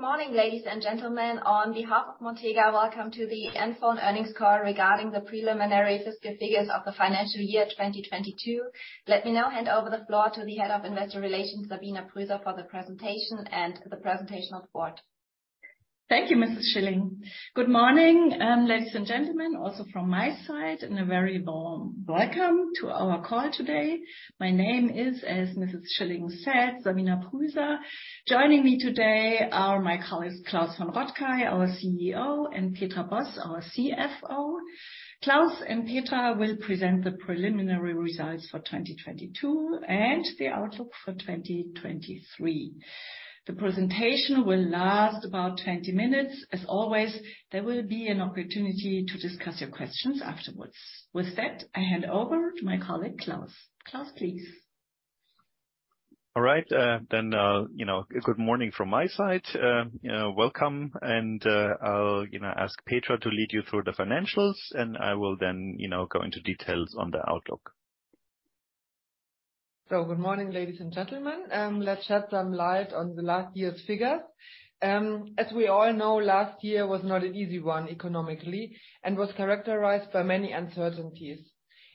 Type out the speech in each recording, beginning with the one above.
Good morning, ladies and gentlemen. On behalf of Montega, welcome to the NFON earnings call regarding the preliminary fiscal figures of the financial year 2022. Let me now hand over the floor to the Head of Investor Relations, Sabina Prüser, for the presentation and the presentation of the Board. Thank you, Mrs. Schilling. Good morning, ladies and gentlemen, also from my side, and a very warm welcome to our call today. My name is, as Mrs. Schilling said, Sabina Prüser. Joining me today are my colleagues, Klaus von Rottkay, our CEO, and Petra Boss, our CFO. Klaus and Petra will present the preliminary results for 2022 and the outlook for 2023. The presentation will last about 20 minutes. As always, there will be an opportunity to discuss your questions afterwards. With that, I hand over to my colleague, Klaus. Klaus, please. All right, you know, good morning from my side. Welcome. I'll, you know, ask Petra to lead you through the financials, and I will then, you know, go into details on the outlook. Good morning, ladies and gentlemen. Let's shed some light on the last year's figures. As we all know, last year was not an easy one economically and was characterized by many uncertainties.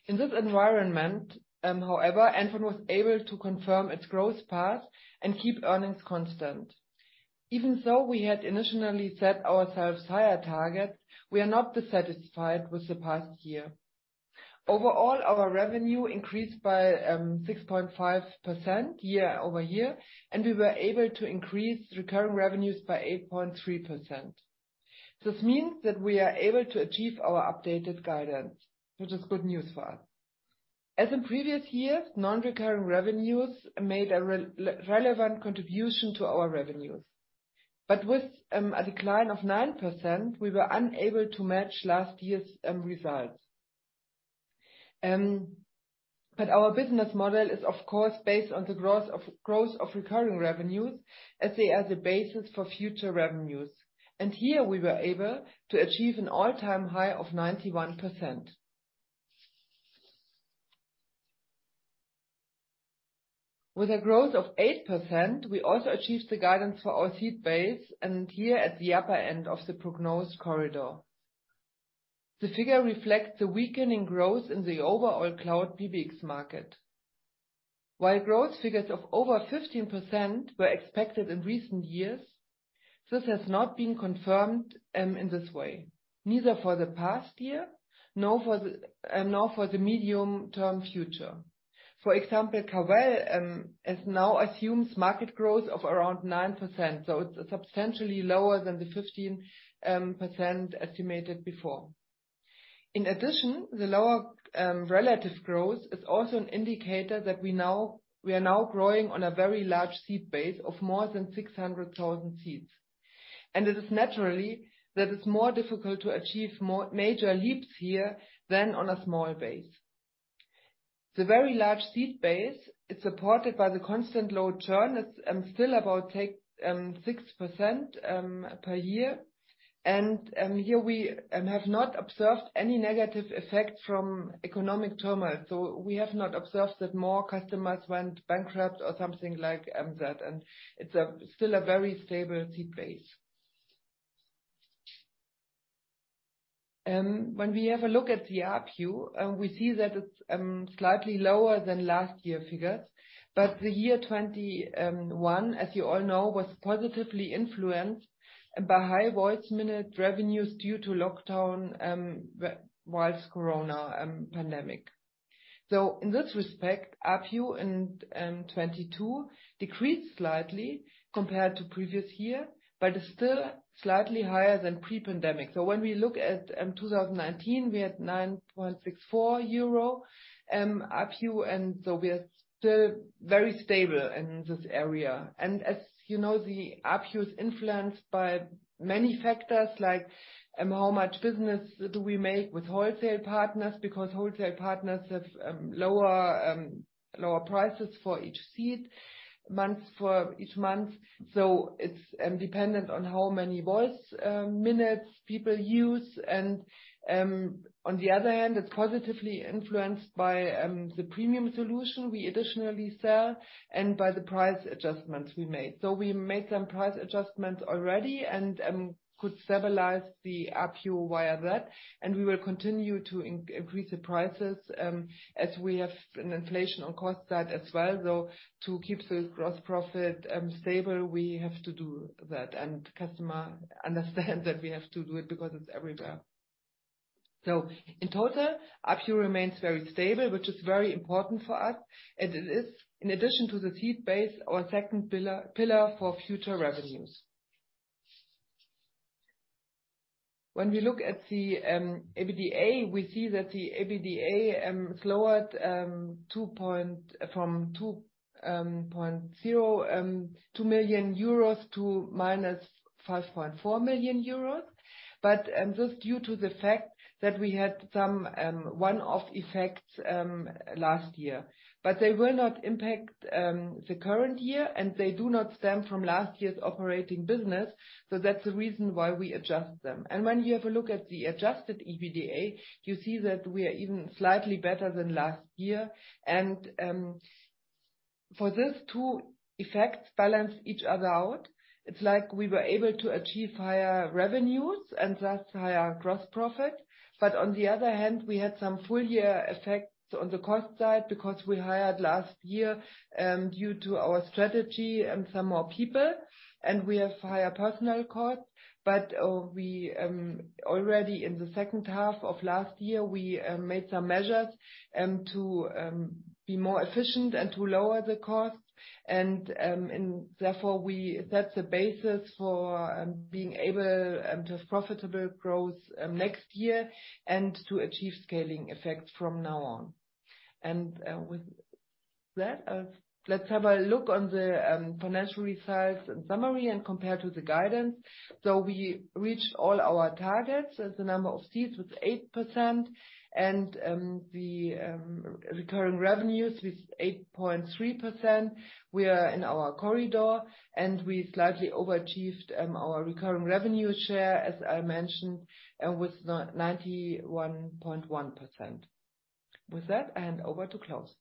In this environment, however, NFON was able to confirm its growth path and keep earnings constant. Even so, we had initially set ourselves higher targets, we are not dissatisfied with the past year. Overall, our revenue increased by 6.5% year-over-year, and we were able to increase recurring revenues by 8.3%. This means that we are able to achieve our updated guidance, which is good news for us. As in previous years, non-recurring revenues made a re-relevant contribution to our revenues. With a decline of 9%, we were unable to match last year's results. Our business model is of course, based on the growth of recurring revenues as they are the basis for future revenues. Here, we were able to achieve an all-time high of 91%. With a growth of 8%, we also achieved the guidance for our seat base, and here at the upper end of the prognosis corridor. The figure reflects the weakening growth in the overall cloud PBX market. While growth figures of over 15% were expected in recent years, this has not been confirmed, in this way, neither for the past year, nor for the, nor for the medium-term future. For example, Cavell has now assumed market growth of around 9%, so it's substantially lower than the 15% estimated before. In addition, the lower relative growth is also an indicator that we are now growing on a very large seat base of more than 600,000 seats. It is naturally that it's more difficult to achieve major leaps here than on a small base. The very large seat base is supported by the constant low churn. It's still about 6% per year. Here we have not observed any negative effect from economic turmoil. We have not observed that more customers went bankrupt or something like that. It's still a very stable seat base. When we have a look at the ARPU, we see that it's slightly lower than last year figures. The year 2021, as you all know, was positively influenced by high voice minute revenues due to lockdown whilst corona pandemic. In this respect, ARPU in 2022 decreased slightly compared to previous year, but is still slightly higher than pre-pandemic. When we look at 2019, we had 9.64 euro ARPU. We are still very stable in this area. As you know, the ARPU is influenced by many factors, like how much business do we make with wholesale partners? Because wholesale partners have lower prices for each seat, month for each month. It's dependent on how many voice minutes people use. On the other hand, it's positively influenced by the premium solution we additionally sell and by the price adjustments we made. We made some price adjustments already and could stabilize the ARPU via that, and we will continue to increase the prices as we have an inflation on cost side as well. To keep the gross profit stable, we have to do that. Customer understand that we have to do it because it's everywhere. In total, ARPU remains very stable, which is very important for us as it is, in addition to the seat base, our second pillar for future revenues. When we look at the EBITDA, we see that the EBITDA is lowered from 2.02 million euros to minus 5.4 million euros. This due to the fact that we had some one-off effects last year. They will not impact the current year, and they do not stem from last year's operating business. That's the reason why we adjust them. When you have a look at the adjusted EBITDA, you see that we are even slightly better than last year. For these two effects balance each other out. It's like we were able to achieve higher revenues and thus higher gross profit. On the other hand, we had some full year effects on the cost side because we hired last year due to our strategy and some more people, and we have higher personnel costs. We already in the second half of last year, we made some measures to be more efficient and to lower the costs. Therefore we set the basis for being able to have profitable growth next year and to achieve scaling effects from now on. With that, let's have a look on the financial results and summary and compare to the guidance. We reached all our targets as the number of seats with 8% and the recurring revenues with 8.3%. We are in our corridor, and we slightly overachieved our recurring revenue share, as I mentioned, with 91.1%. With that, hand over to Klaus.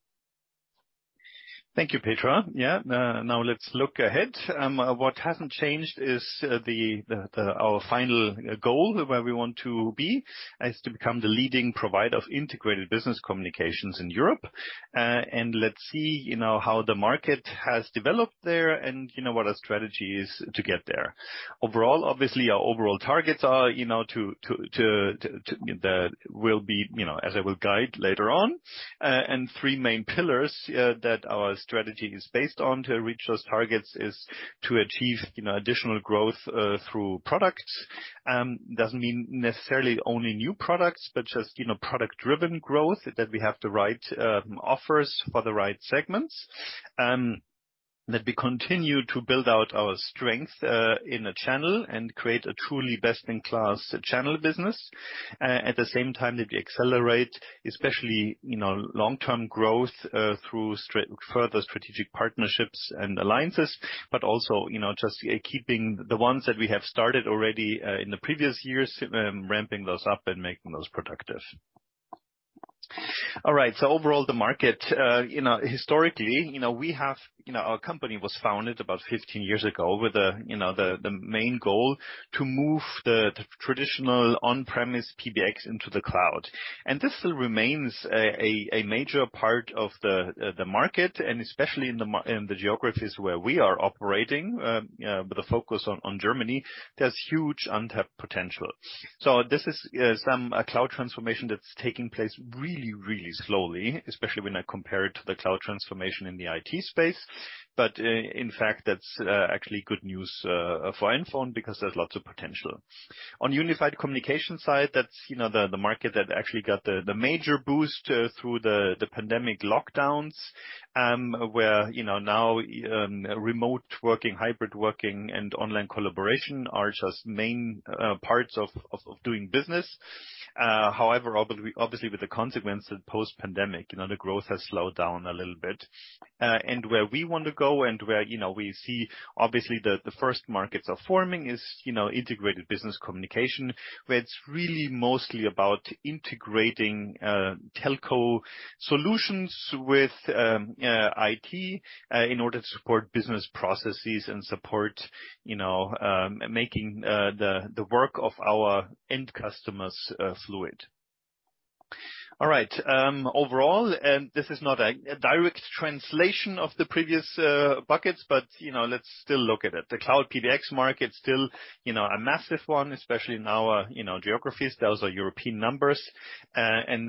Thank you, Petra. Yeah. Now let's look ahead. What hasn't changed is the our final goal, where we want to be, is to become the leading provider of integrated business communications in Europe. Let's see, you know, how the market has developed there and, you know, what our strategy is to get there. Overall, obviously, our overall targets are, you know, to will be, you know, as I will guide later on. Three main pillars that our strategy is based on to reach those targets is to achieve, you know, additional growth through products. Doesn't mean necessarily only new products, but just, you know, product-driven growth, that we have the right offers for the right segments. That we continue to build out our strength in the channel and create a truly best-in-class channel business. At the same time that we accelerate, especially, you know, long-term growth through further strategic partnerships and alliances, but also, you know, just keeping the ones that we have started already in the previous years, ramping those up and making those productive. Overall, the market, you know, historically, you know, we have, you know, our company was founded about 15 years ago with the, you know, the main goal to move the traditional on-premise PBX into the cloud. This still remains a major part of the market, and especially in the geographies where we are operating, with a focus on Germany. There's huge untapped potential. This is some cloud transformation that's taking place really, really slowly, especially when I compare it to the cloud transformation in the IT space. In fact, that's actually good news for NFON because there's lots of potential. On unified communication side, that's, you know, the market that actually got the major boost through the pandemic lockdowns, where, you know, now remote working, hybrid working, and online collaboration are just main parts of doing business. However, obviously, with the consequence of post-pandemic, you know, the growth has slowed down a little bit. Where we want to go and where, you know, we see obviously the first markets are forming is, you know, integrated business communication, where it's really mostly about integrating telco solutions with IT in order to support business processes and support, you know, making the work of our end customers fluid. All right, overall, this is not a direct translation of the previous buckets, but, you know, let's still look at it. The cloud PBX market's still, you know, a massive one, especially in our, you know, geographies. Those are European numbers.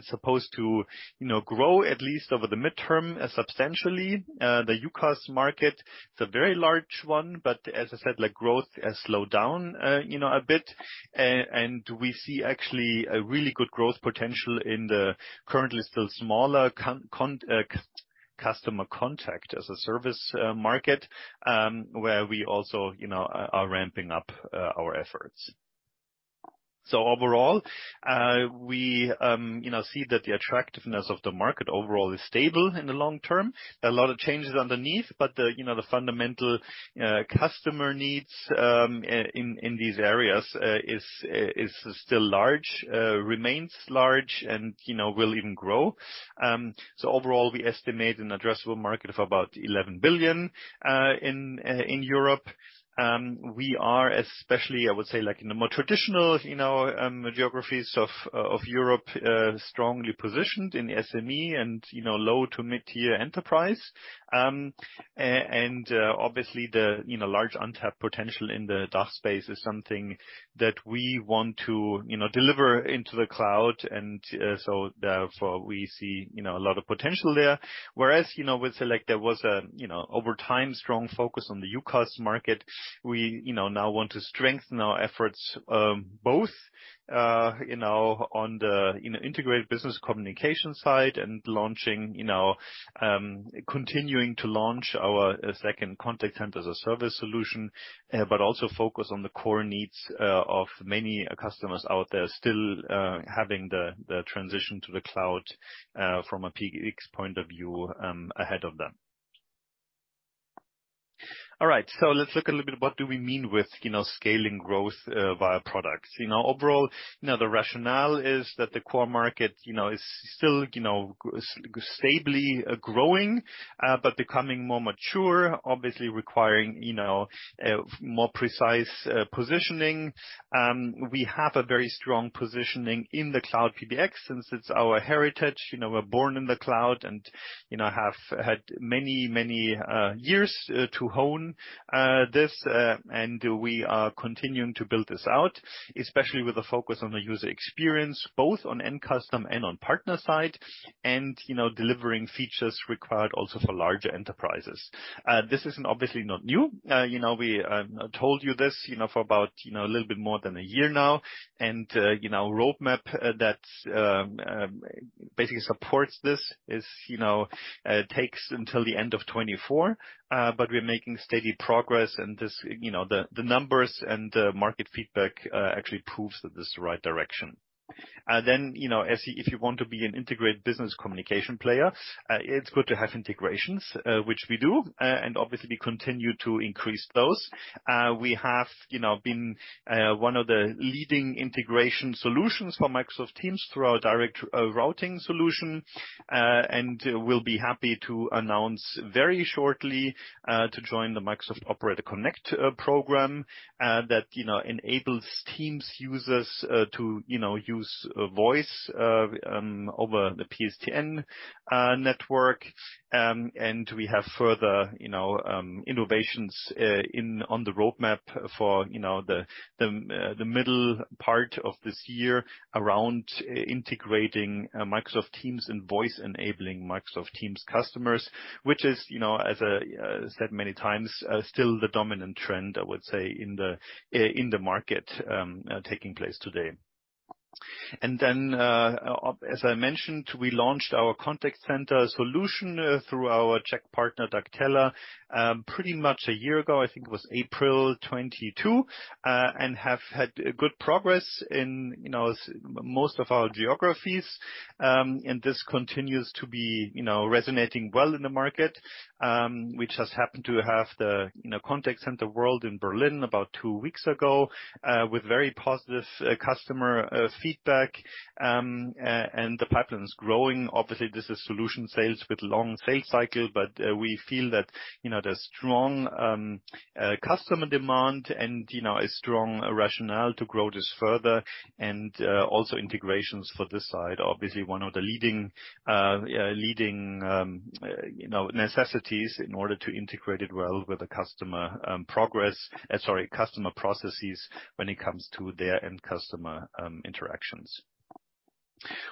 Supposed to, you know, grow at least over the midterm substantially. The UCaaS market, it's a very large one, but as I said, like, growth has slowed down, you know, a bit. We see actually a really good growth potential in the currently still smaller customer contact as a service market, where we also, you know, are ramping up our efforts. Overall, we, you know, see that the attractiveness of the market overall is stable in the long term. A lot of changes underneath, but the, you know, the fundamental customer needs in these areas is still large, remains large and, you know, will even grow. Overall, we estimate an addressable market of about 11 billion in Europe. We are especially, I would say, like, in the more traditional, you know, geographies of Europe, strongly positioned in SME and, you know, low to mid-tier enterprise. Obviously the, you know, large untapped potential in the DACH space is something that we want to, you know, deliver into the cloud, and so therefore, we see, you know, a lot of potential there. Whereas, you know, would say, like, there was a, you know, over time, strong focus on the UCaaS market. We, you know, now want to strengthen our efforts, both, you know, on the, you know, integrated business communication side and launching, you know, continuing to launch our second Contact Center as a Service solution, but also focus on the core needs, of many customers out there still, having the transition to the cloud, from a PBX point of view, ahead of them. All right. Let's look a little bit what do we mean with, you know, scaling growth, via products, you know, overall, you know, the rationale is that the core market, you know, is still stably growing, but becoming more mature, obviously requiring, you know, more precise positioning. We have a very strong positioning in the cloud PBX since it's our heritage. You know, we're born in the cloud and, you know, have had many years to hone this. We are continuing to build this out, especially with a focus on the user experience, both on end customer and on partner side, and, you know, delivering features required also for larger enterprises. This is obviously not new. You know, we told you this, you know, for about, you know, a little bit more than a year now. And you know, roadmap that basically supports this is, you know, takes until the end of 2024, but we're making steady progress. This, you know, the numbers and the market feedback actually proves that this is the right direction. you know, If you want to be an integrated business communication player, it's good to have integrations, which we do, and obviously continue to increase those. We have, you know, been one of the leading integration solutions for Microsoft Teams through our Direct Routing solution. we'll be happy to announce very shortly to join the Microsoft Operator Connect program that, you know, enables Teams users to, you know, use voice over the PSTN network. We have further, you know, innovations in, on the roadmap for, you know, the middle part of this year around integrating Microsoft Teams and voice-enabling Microsoft Teams customers, which is, you know, as I said many times, still the dominant trend, I would say, in the market taking place today. As I mentioned, we launched our contact center solution through our Czech partner, Daktela, pretty much a year ago, I think it was April 2022, and have had good progress in, you know, most of our geographies. This continues to be, you know, resonating well in the market, which has happened to have the, you know, contact center world in Berlin about two weeks ago with very positive customer feedback. And the pipeline is growing, obviously, this is solution sales with long sales cycle, but we feel that, you know, there's strong customer demand and, you know, a strong rationale to grow this further and also integrations for this side. Obviously, one of the leading necessities in order to integrate it well with the customer processes when it comes to their end customer interactions.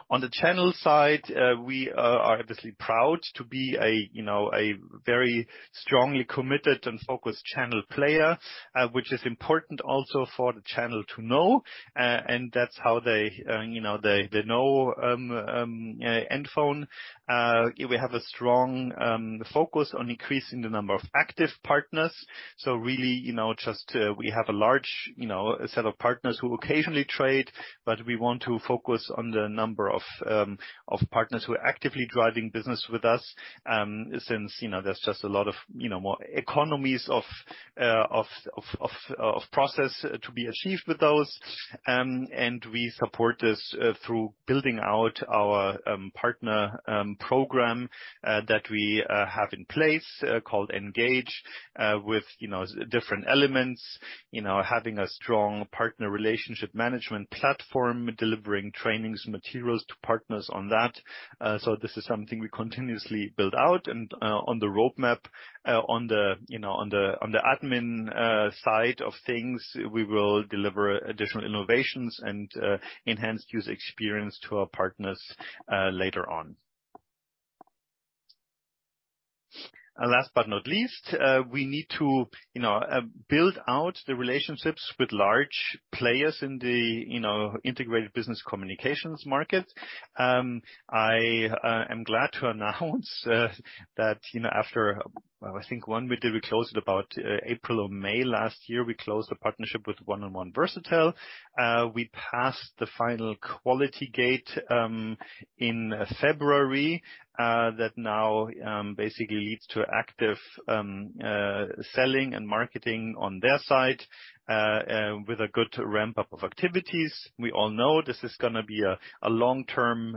On the channel side, we are obviously proud to be a very strongly committed and focused channel player, which is important also for the channel to know. And that's how they know NFON. We have a strong focus on increasing the number of active partners. Really, you know, just, we have a large, you know, set of partners who occasionally trade, but we want to focus on the number of partners who are actively driving business with us, since, you know, there's just a lot of, you know, more economies of process to be achieved with those. We support this through building out our partner program that we have in place, called NGAGE, with, you know, different elements. You know, Having a strong partner relationship management platform, delivering trainings and materials to partners on that. This is something we continuously build out. On the roadmap, on the, you know, on the, on the admin side of things, we will deliver additional innovations and enhanced user experience to our partners later on. Last but not least, we need to, you know, build out the relationships with large players in the, you know, integrated business communications market. I am glad to announce that, you know, after I think one we closed about April or May last year, we closed a partnership with 1&1 Versatel. We passed the final quality gate in February that now basically leads to active selling and marketing on their side with a good ramp-up of activities. We all know this is gonna be a long-term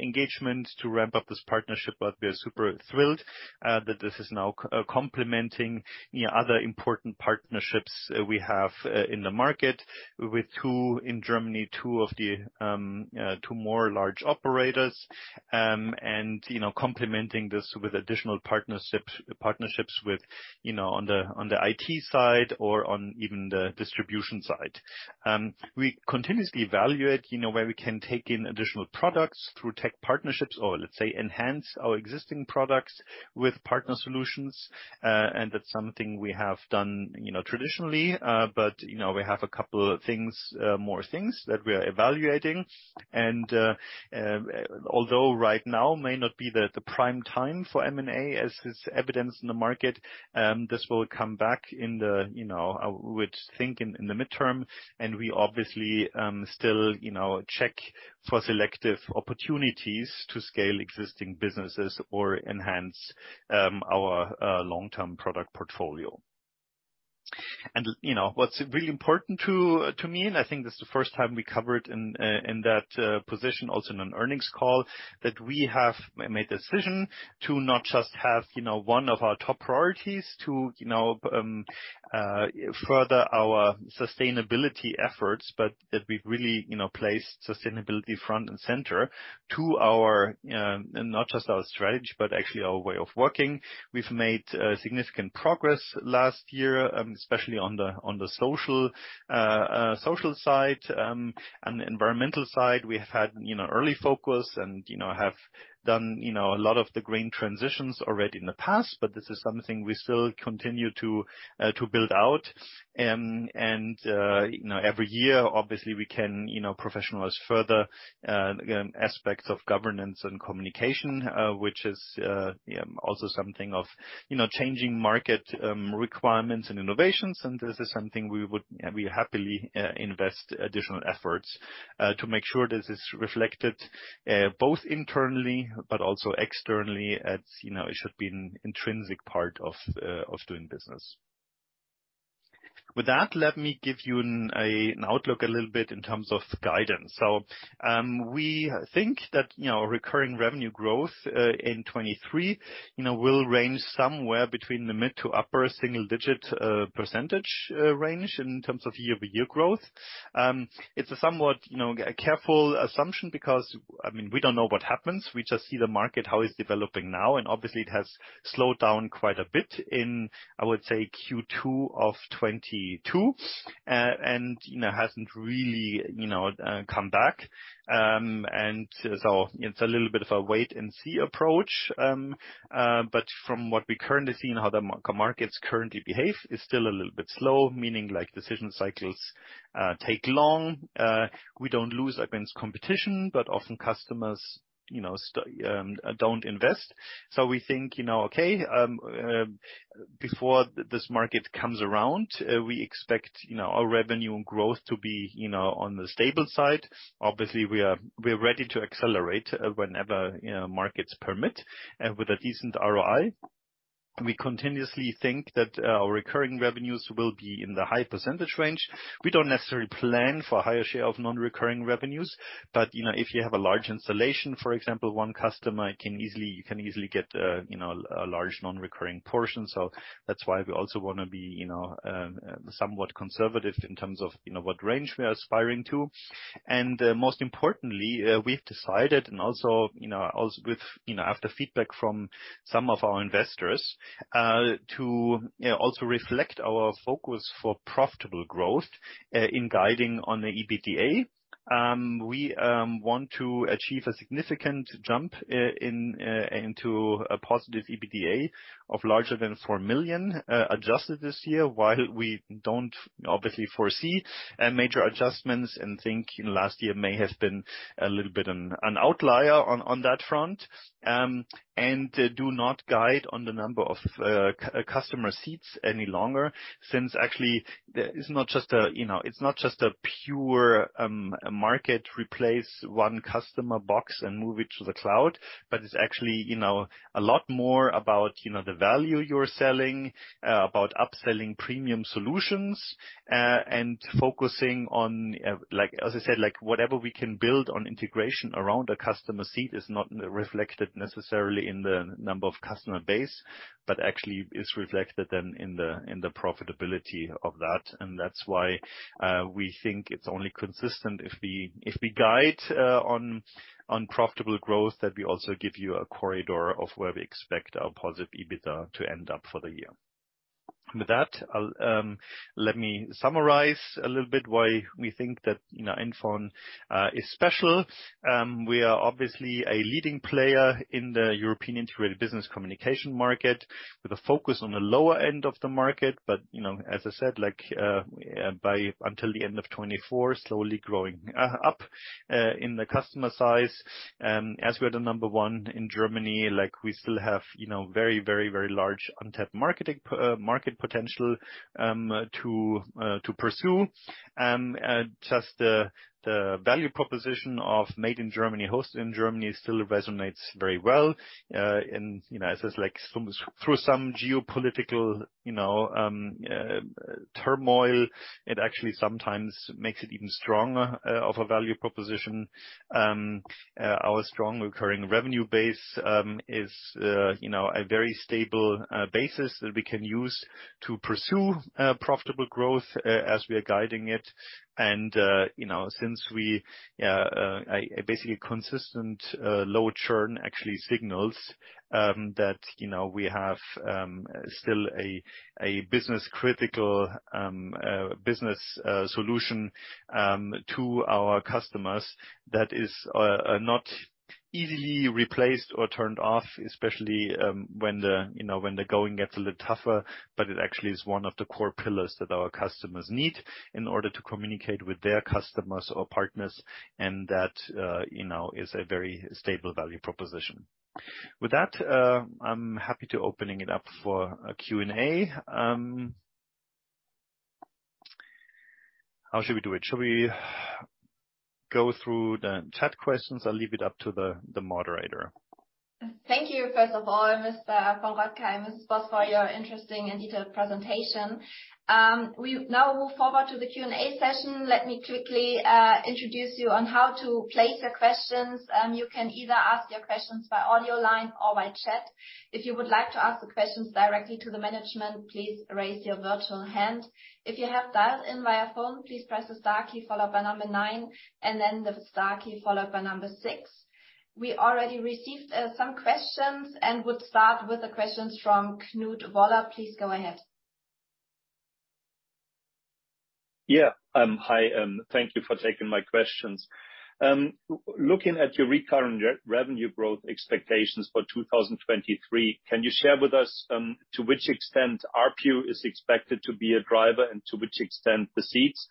engagement to ramp up this partnership, but we're super thrilled that this is now complementing, you know, other important partnerships we have in the market with who in Germany, two of the two more large operators. You know, complementing this with additional partnerships with, you know, on the, on the IT side or on even the distribution side. We continuously evaluate, you know, where we can take in additional products through tech partnerships or, let's say, enhance our existing products with partner solutions. That's something we have done, you know, traditionally, but, you know, we have a couple things, more things that we are evaluating. Although right now may not be the prime time for M&A, as is evidenced in the market, this will come back in the, you know, I would think in the midterm. We obviously, still, you know, check for selective opportunities to scale existing businesses or enhance our long-term product portfolio. You know, what's really important to me, and I think this is the first time we covered in that position also in an earnings call, that we have made the decision to not just have, you know, one of our top priorities to, you know, further our sustainability efforts, but that we've really, you know, placed sustainability front and center to our not just our strategy, but actually our way of working. We've made significant progress last year, especially on the social social side, and the environmental side. We have had, you know, early focus and, you know, have done, you know, a lot of the green transitions already in the past, but this is something we still continue to build out. You know, every year, obviously, we can, you know, professionalize further aspects of governance and communication, which is also something of, you know, changing market requirements and innovations. This is something we would, we happily invest additional efforts to make sure this is reflected both internally but also externally as, you know, it should be an intrinsic part of doing business. With that, let me give you an outlook a little bit in terms of guidance. We think that, you know, recurring revenue growth in 2023, you know, will range somewhere between the mid to upper single-digit percentage range in terms of year-over-year growth. It's a somewhat, you know, careful assumption because, I mean, we don't know what happens. We just see the market, how it's developing now, and obviously it has slowed down quite a bit in, I would say, Q2 of 2022, and, you know, hasn't really, you know, come back. It's a little bit of a wait and see approach. From what we currently see and how the markets currently behave, it's still a little bit slow, meaning like decision cycles take long. We don't lose against competition, but often customers, you know, don't invest. We think, you know, okay, before this market comes around, we expect, you know, our revenue and growth to be, you know, on the stable side. Obviously, we're ready to accelerate, whenever, you know, markets permit with a decent ROI. We continuously think that our recurring revenues will be in the high percentage range. We don't necessarily plan for a higher share of non-recurring revenues, but, you know, if you have a large installation, for example, one customer can easily, you can easily get, you know, a large non-recurring portion. That's why we also wanna be, you know, somewhat conservative in terms of, you know, what range we are aspiring to. Most importantly, we've decided and also, you know, with, you know, after feedback from some of our investors, to, you know, also reflect our focus for profitable growth, in guiding on the EBITDA. We want to achieve a significant jump in into a positive EBITDA of larger than 4 million adjusted this year, while we don't obviously foresee major adjustments and think, you know, last year may have been a little bit an outlier on that front. Do not guide on the number of customer seats any longer since actually it's not just a, you know, it's not just a pure market replace 1 customer box and move it to the cloud, but it's actually, you know, a lot more about, you know, the value you're selling, about upselling premium solutions, and focusing on, like, as I said, like whatever we can build on integration around a customer seat is not reflected necessarily in the number of customer base, but actually is reflected in the profitability of that. That's why we think it's only consistent if we guide on profitable growth, that we also give you a corridor of where we expect our positive EBITDA to end up for the year. With that, I'll let me summarize a little bit why we think that, you know, NFON is special. We are obviously a leading player in the European integrated business communication market with a focus on the lower end of the market. You know, as I said, like, by until the end of 2024, slowly growing up in the customer size, as we are the number one in Germany, like we still have, you know, very, very, very large untapped marketing market potential to pursue. Just the value proposition of made in Germany, hosted in Germany still resonates very well, and, you know, as I said, like some, through some geopolitical, you know, turmoil, it actually sometimes makes it even stronger of a value proposition. Our strong recurring revenue base is, you know, a very stable basis that we can use to pursue profitable growth as we are guiding it. You know, since we basically consistent low churn actually signals that, you know, we have still a business critical business solution to our customers that is not easily replaced or turned off, especially when the, you know, when the going gets a little tougher, but it actually is one of the core pillars that our customers need in order to communicate with their customers or partners and that, you know, is a very stable value proposition. With that, I'm happy to opening it up for a Q&A. How should we do it? Should we go through the chat questions? I'll leave it up to the moderator. Thank you first of all, Mr. von Rottkay, Ms. Boss, for your interesting and detailed presentation. We now move forward to the Q&A session. Let me quickly introduce you on how to place your questions. You can either ask your questions by audio line or by chat. If you would like to ask the questions directly to the management, please raise your virtual hand. If you have dialed in via phone, please press the star key followed by nine, and then the star key followed by six. We already received some questions and would start with the questions from Knut Woller. Please go ahead. Yeah. Hi, thank you for taking my questions. Looking at your recurring revenue growth expectations for 2023, can you share with us to which extent RPU is expected to be a driver, and to which extent the seats?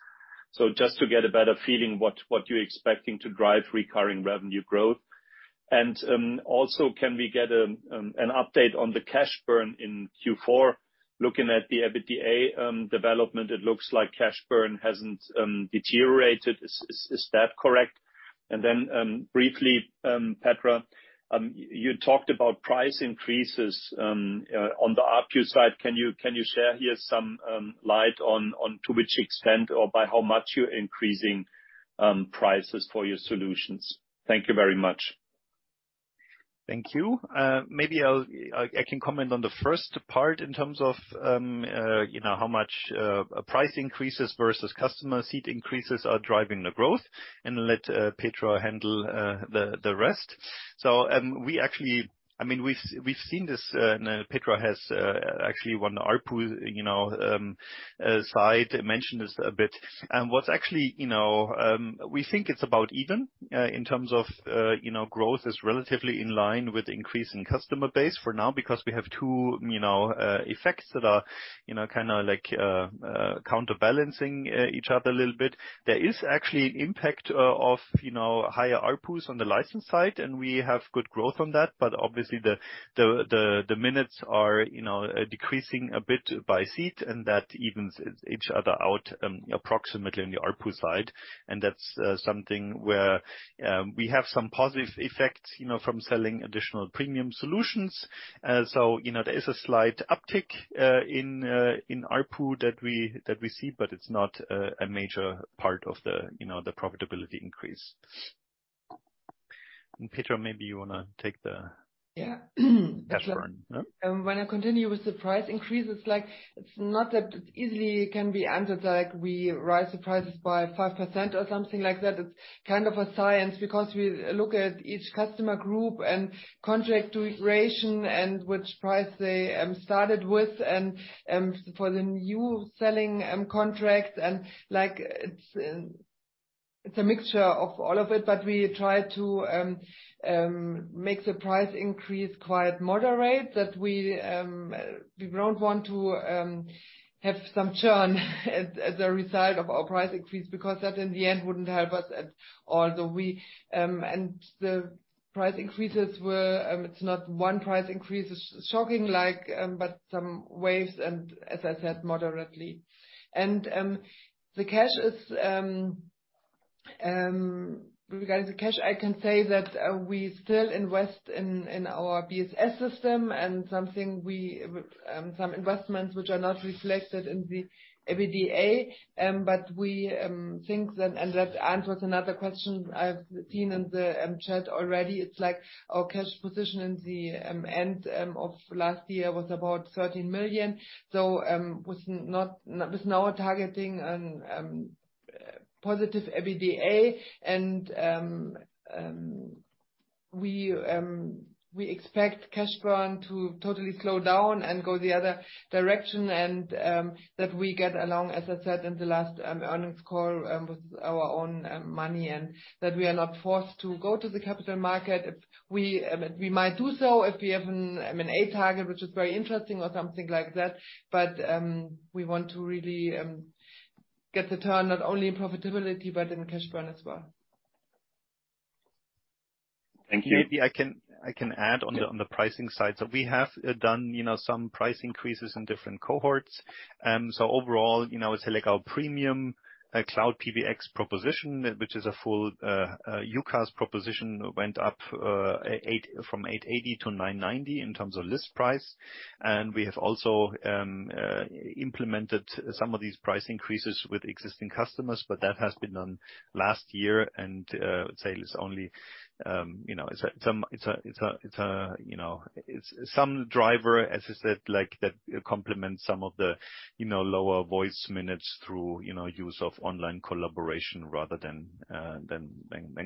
Just to get a better feeling what you're expecting to drive recurring revenue growth. Also can we get an update on the cash burn in Q4? Looking at the EBITDA development, it looks like cash burn hasn't deteriorated. Is that correct? Briefly, Petra, you talked about price increases on the RPU side. Can you share here some light on to which extent or by how much you're increasing prices for your solutions? Thank you very much. Thank you. Maybe I can comment on the first part in terms of, you know, how much price increases versus customer seat increases are driving the growth, and let Petra handle the rest. I mean, we've seen this, and Petra has actually one RPU, you know, side mentioned this a bit. What's actually, you know, we think it's about even, in terms of, you know, growth is relatively in line with the increase in customer base for now, because we have two, you know, effects that are, you know, kinda like counterbalancing each other a little bit. There is actually impact of, you know, higher RPUs on the license side, and we have good growth on that. Obviously the minutes are, you know, decreasing a bit by seat, and that evens each other out, approximately on the RPU side. That's something where we have some positive effects, you know, from selling additional premium solutions. You know, there is a slight uptick in RPU that we see, but it's not a major part of the, you know, the profitability increase. Petra, maybe you wanna take the- Yeah. -cash burn. When I continue with the price increase, it's like, it's not that it easily can be answered, like we rise the prices by 5% or something like that. It's kind of a science, because we look at each customer group and contract duration and which price they started with and for the new selling contracts and like, it's a mixture of all of it, but we try to make the price increase quite moderate, that we don't want to have some churn as a result of our price increase, because that in the end wouldn't help us at all. The price increases were, it's not one price increase. It's shocking like, but some waves and, as I said, moderately. The cash is- -regarding the cash, I can say that we still invest in our BSS system and something we, some investments which are not reflected in the EBITDA, but we think that, and that answers another question I've seen in the chat already. It's like our cash position in the end of last year was about 13 million. So, was now targeting positive EBITDA. And we expect cash burn to totally slow down and go the other direction and that we get along, as I said in the last earnings call, with our own money and that we are not forced to go to the capital market. If we might do so if we have an M&A target, which is very interesting or something like that. We want to really, get the turn not only in profitability, but in cash burn as well. Thank you. Maybe I can, I can add on the, on the pricing side. We have, done, you know, some price increases in different cohorts. Overall, you know, I would say like our premium, cloud PBX proposition, which is a full, UCaaS proposition, went up from 8.80-9.90 in terms of list price. We have also, implemented some of these price increases with existing customers, but that has been done last year. I would say it's only, you know, it's some driver, as I said, like that complements some of the, you know, lower voice minutes through, you know, use of online collaboration rather than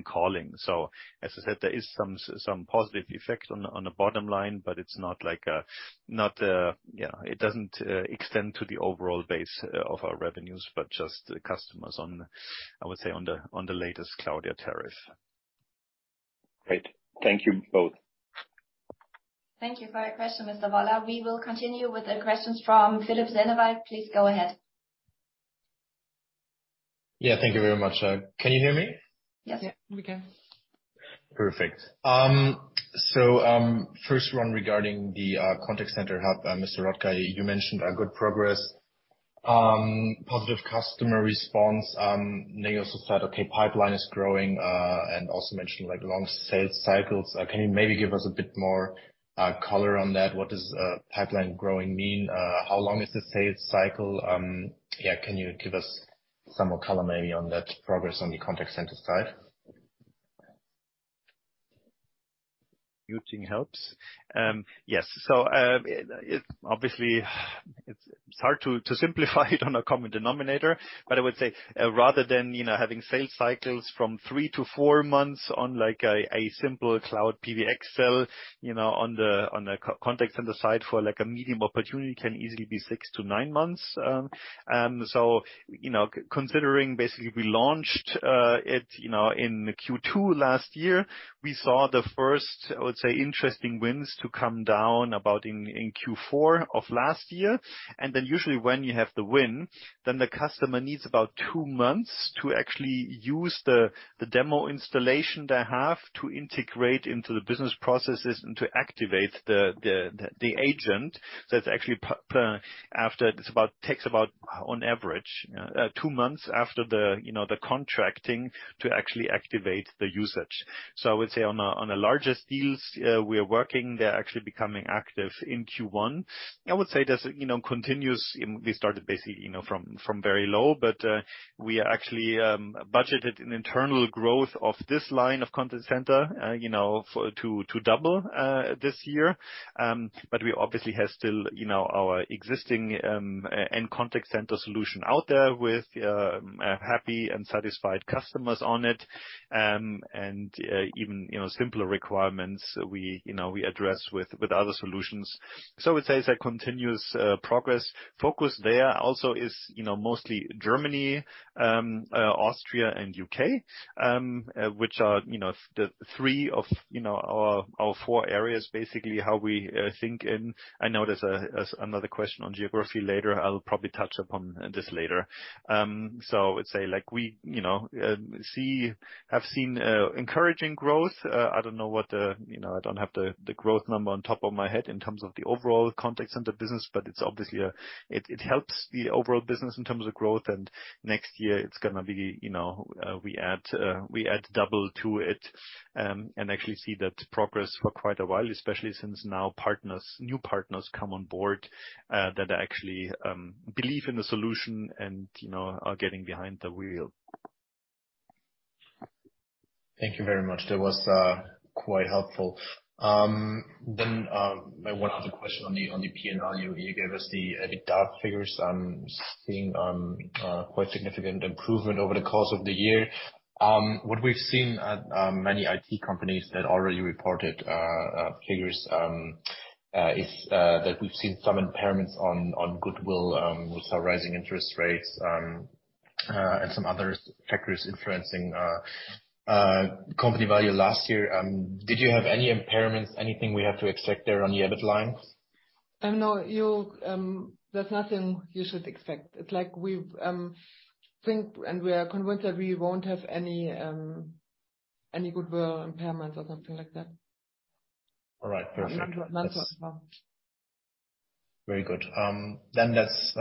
calling. As I said, there is some positive effect on the bottom line, but it's not like a, not, yeah, it doesn't extend to the overall base of our revenues, but just the customers on, I would say on the latest cloud tariff. Great. Thank you both. Thank you for your question, Mr. Woller. We will continue with the questions from Philipp Sennewald. Please go ahead. Yeah. Thank you very much. Can you hear me? Yes. Yeah. We can. Perfect. First one regarding the Contact Center Hub, Mr. von Rottkay, you mentioned a good progress. Positive customer response, and you also said, okay, pipeline is growing, and also mentioned, like, long sales cycles. Can you maybe give us a bit more color on that? What does pipeline growing mean? How long is the sales cycle? Yeah, can you give us some more color maybe on that progress on the Contact Center side? Muting helps. Yes. Obviously it's hard to simplify it on a common denominator, but I would say rather than, you know, having sales cycles from three to four months on like a simple cloud PBX sale, you know, on the contact center side for like a medium opportunity can easily be six to nine months. Considering, you know, basically we launched it, you know, in Q2 last year, we saw the first, I would say, interesting wins to come down about in Q4 of last year. Usually when you have the win, then the customer needs about two months to actually use the demo installation they have to integrate into the business processes and to activate the agent. That's actually takes about, on average, two months after the, you know, the contracting to actually activate the usage. I would say on a, on a larger deals, we are working, they're actually becoming active in Q1. I would say this, you know, continues, we started basically, you know, from very low, but, we are actually, budgeted an internal growth of this line of contact center, you know, to double this year. We obviously have still, you know, our existing, end contact center solution out there with, happy and satisfied customers on it. Even, you know, simpler requirements we, you know, we address with other solutions. I would say it's a continuous, progress. Focus there also is, you know, mostly Germany, Austria and U.K., which are, you know, the three of, you know, our four areas, basically, how we think. I know there's another question on geography later. I'll probably touch upon this later. I would say like we, you know, have seen, encouraging growth. I don't know what the, you know, I don't have the growth number on top of my head in terms of the overall contact center business, but it's obviously it helps the overall business in terms of growth. Next year it's gonna be, you know, we add double to it. Actually see that progress for quite a while, especially since now partners, new partners come on board, that actually believe in the solution and, you know, are getting behind the wheel. Thank you very much. That was quite helpful. My one other question on the P&L, you gave us the DAAT figures. I'm seeing a quite significant improvement over the course of the year. What we've seen at many IT companies that already reported figures, is that we've seen some impairments on goodwill with our rising interest rates and some other factors influencing company value last year. Did you have any impairments, anything we have to expect there on the EBIT lines? No, there's nothing you should expect. It's like we think, we are convinced that we won't have any goodwill impairments or something like that. All right. Perfect. Not so far. Very good. That's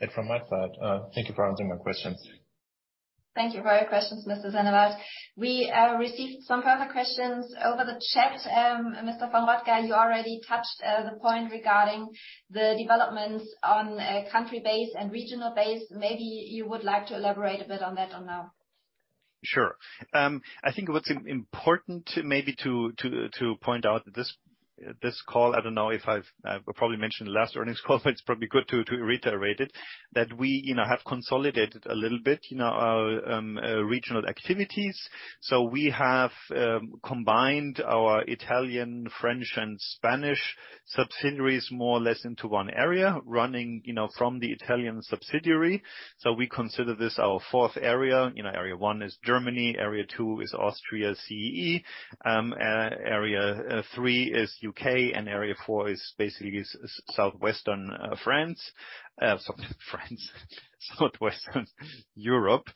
it from my side. Thank you for answering my questions. Thank you for your questions, Mr. Sennewald. We received some further questions over the chat. Mr. von Rottkay, you already touched the point regarding the developments on a country base and regional base. Maybe you would like to elaborate a bit on that or no? Sure. I think what's important to maybe to point out this call, I don't know if I've probably mentioned last earnings call, but it's probably good to reiterate it, that we, you know, have consolidated a little bit, you know, our regional activities. We have combined our Italian, French and Spanish subsidiaries more or less into 1 area, running, you know, from the Italian subsidiary. We consider this our fourth area. You know, area one is Germany, area two is Austria, CEE. area three is U.K., and area four is basically southwestern France. Sorry, France. Southwestern Europe.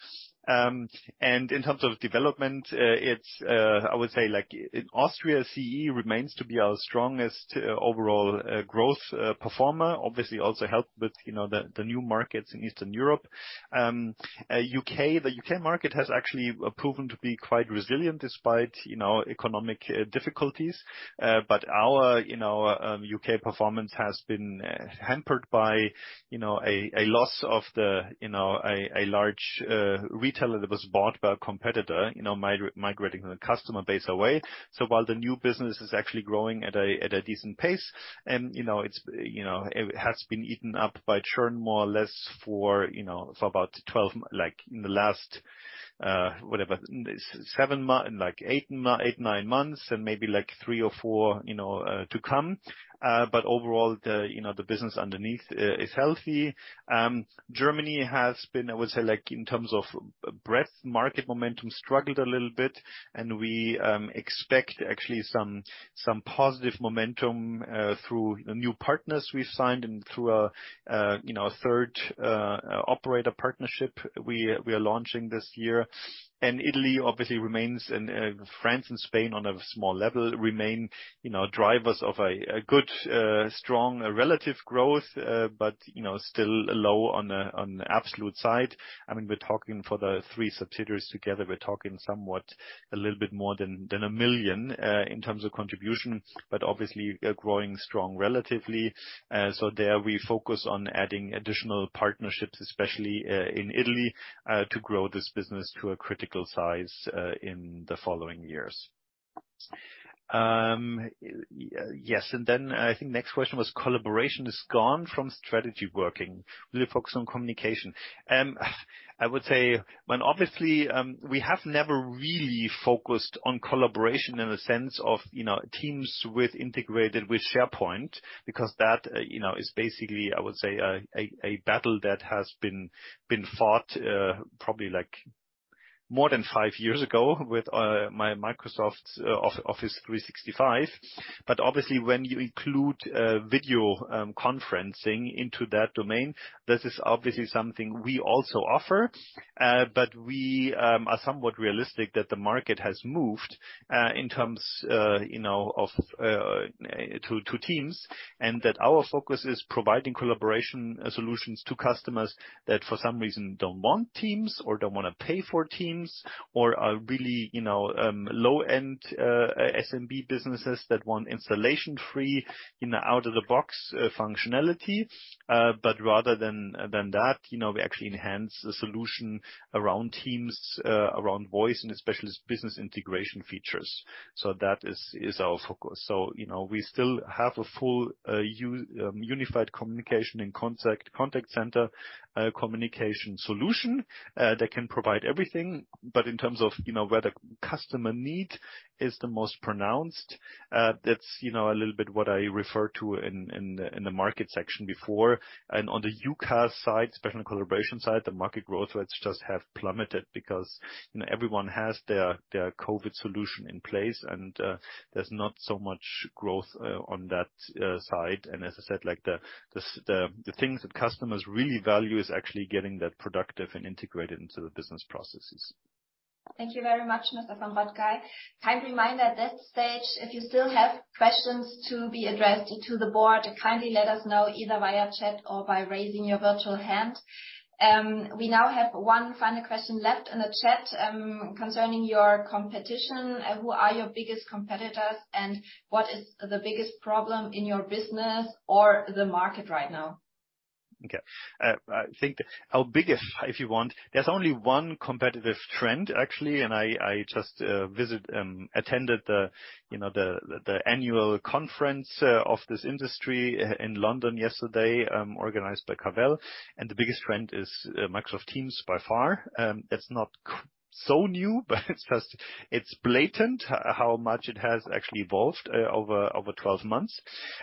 In terms of development, it's I would say like Austria, CEE remains to be our strongest overall growth performer. Obviously, also helped with, you know, the new markets in Eastern Europe. U.K., the U.K. market has actually proven to be quite resilient despite, you know, economic difficulties. But our, you know, U.K. performance has been hampered by, you know, a loss of the, you know, a large retailer that was bought by a competitor, you know, migrating the customer base away. While the new business is actually growing at a decent pace, and, you know, it's, you know, it has been eaten up by churn more or less for, you know, like in the last, whatever seven months, like eight months, eight, nine months, and maybe like three or four, you know, to come. But overall the, you know, the business underneath is healthy. Germany has been, I would say, like in terms of breadth market momentum, struggled a little bit, and we expect actually some positive momentum through new partners we've signed and through a, you know, a third operator partnership we are launching this year. Italy obviously remains, and France and Spain on a small level remain, you know, drivers of a good strong relative growth, but, you know, still low on the absolute side. I mean, we're talking for the three subsidiaries together, we're talking somewhat a little bit more than 1 million in terms of contributions, but obviously growing strong relatively. There we focus on adding additional partnerships, especially in Italy, to grow this business to a critical size in the following years. Yes, and then I think next question was collaboration is gone from strategy working. We focus on communication. I would say when obviously, we have never really focused on collaboration in a sense of, you know, Teams with integrated with SharePoint, because that, you know, is basically, I would say, a, a battle that has been fought, probably like more than 5 years ago with, my Microsoft Office 365. Obviously, when you include video, conferencing into that domain, this is obviously something we also offer, but we are somewhat realistic that the market has moved in terms, you know, of, to Teams, and that our focus is providing collaboration solutions to customers that for some reason don't want Teams or don't wanna pay for Teams or are really, you know, low-end SMB businesses that want installation-free, you know, out-of-the-box functionality. Rather than that, you know, we actually enhance the solution around Teams, around voice and especially business integration features. That is our focus. You know, we still have a full unified communication and contact center communication solution that can provide everything. In terms of, you know, where the customer need is the most pronounced, that's, you know, a little bit what I referred to in, in the market section before. On the UCaaS side, especially on the collaboration side, the market growth rates just have plummeted because, you know, everyone has their COVID solution in place and there's not so much growth on that side. As I said, like the things that customers really value is actually getting that productive and integrated into the business processes. Thank you very much, Mr. von Rottkay. Kind reminder at this stage, if you still have questions to be addressed to the board, kindly let us know either via chat or by raising your virtual hand. We now have one final question left in the chat, concerning your competition. Who are your biggest competitors, and what is the biggest problem in your business or the market right now? Okay. I think our biggest, if you want, there's only one competitive trend actually. I just attended the, you know, the annual conference of this industry in London yesterday, organized by Cavell. The biggest trend is Microsoft Teams by far. It's not so new, but it's just, it's blatant how much it has actually evolved over 12 months.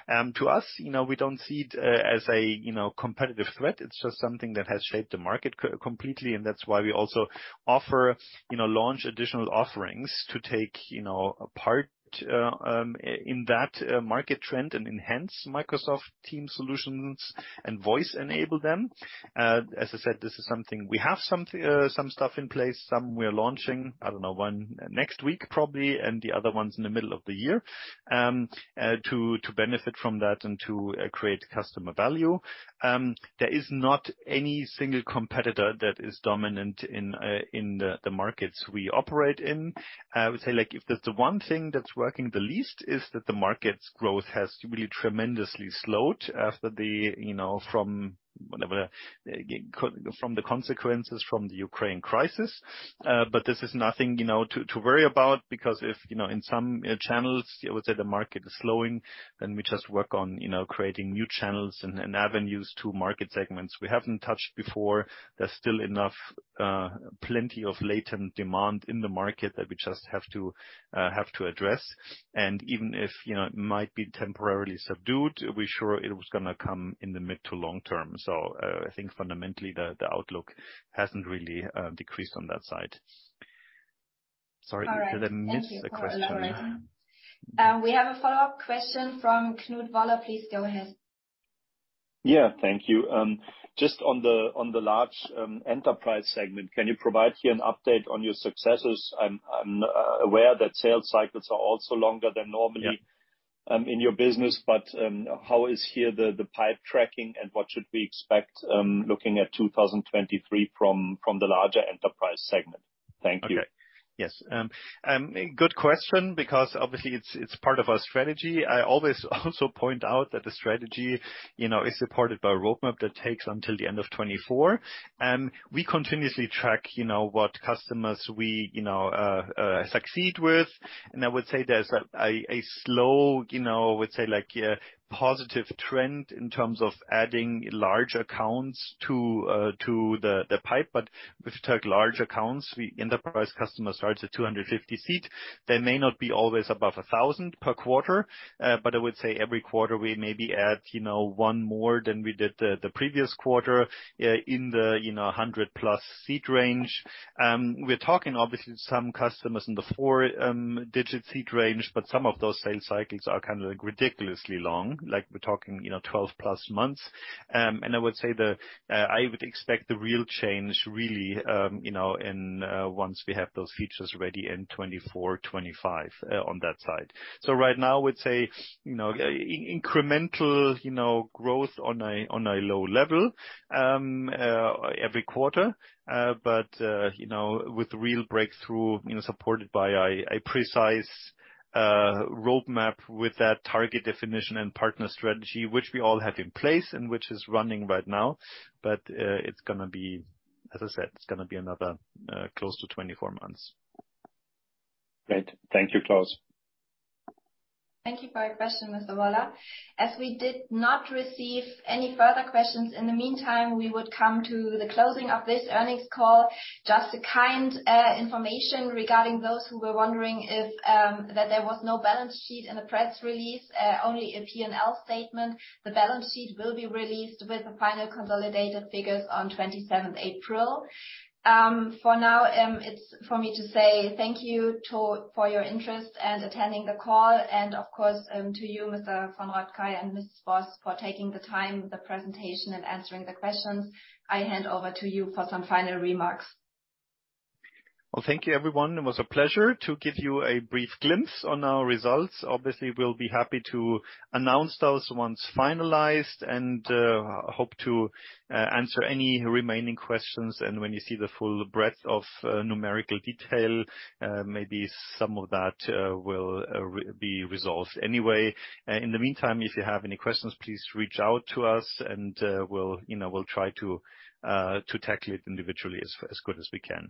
To us, you know, we don't see it as a, you know, competitive threat. It's just something that has shaped the market completely. That's why we also offer, you know, launch additional offerings to take, you know, a part in that market trend and enhance Microsoft Teams solutions and voice enable them. As I said, this is something we have some stuff in place, some we're launching, I don't know, one next week probably, and the other one's in the middle of the year. To benefit from that and to create customer value. There is not any single competitor that is dominant in the markets we operate in. I would say, like, if there's the one thing that's working the least, is that the market's growth has really tremendously slowed after the, you know, from whatever, from the consequences from the Ukraine crisis. This is nothing, you know, to worry about because if, you know, in some, channels, I would say the market is slowing, then we just work on, you know, creating new channels and avenues to market segments we haven't touched before. There's still enough, plenty of latent demand in the market that we just have to address. Even if, you know, it might be temporarily subdued, we're sure it was gonna come in the mid to long term. I think fundamentally the outlook hasn't really, decreased on that side. Sorry, did I miss the question? All right. Thank you for elaborating. We have a follow-up question from Knut Woller. Please go ahead. Yeah. Thank you. Just on the large enterprise segment, can you provide here an update on your successes? I'm aware that sales cycles are also longer than normally. Yeah. -in your business, how is here the pipe tracking and what should we expect, looking at 2023 from the larger enterprise segment? Thank you. Okay. Yes. Good question, because obviously it's part of our strategy. I always also point out that the strategy, you know, is supported by a roadmap that takes until the end of 2024. We continuously track, you know, what customers we, you know, succeed with. I would say there's a slow, you know, I would say like a positive trend in terms of adding large accounts to the pipe. With large accounts, enterprise customer starts at 250 seat. They may not be always above 1,000 per quarter, but I would say every quarter we maybe add, you know, one more than we did the previous quarter, in the, you know, 100 plus seat range. We're talking obviously some customers in the 4-digit seat range, but some of those sales cycles are kind of like ridiculously long. Like, we're talking, you know, 12 plus months. I would say I would expect the real change really, you know, once we have those features ready in 2024, 2025, on that side. Right now I would say, you know, incremental, you know, growth on a low level, every quarter. You know, with real breakthrough, you know, supported by a precise roadmap with that target definition and partner strategy, which we all have in place and which is running right now. It's gonna be, as I said, it's gonna be another close to 24 months. Great. Thank you, Klaus. Thank you for your question, Mr. Woller. As we did not receive any further questions in the meantime, we would come to the closing of this earnings call. Just a kind information regarding those who were wondering if that there was no balance sheet in the press release, only a P&L statement. The balance sheet will be released with the final consolidated figures on 27th April. For now, it's for me to say thank you for your interest and attending the call, and of course, to you, Mr. von Rottkay and Ms. Boss for taking the time, the presentation and answering the questions. I hand over to you for some final remarks. Well, thank you everyone. It was a pleasure to give you a brief glimpse on our results. Obviously, we'll be happy to announce those once finalized, and hope to answer any remaining questions. When you see the full breadth of numerical detail, maybe some of that will be resolved anyway. In the meantime, if you have any questions, please reach out to us and, you know, we'll try to tackle it individually as good as we can.